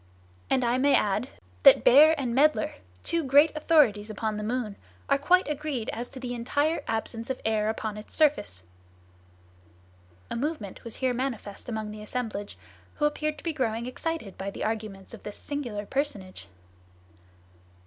And I may add that Baeer and Maedler, the two great authorities upon the moon, are quite agreed as to the entire absence of air on its surface." A movement was here manifest among the assemblage, who appeared to be growing excited by the arguments of this singular personage.